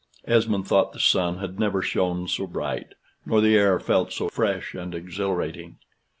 Esmond thought the sun had never shone so bright; nor the air felt so fresh and exhilarating.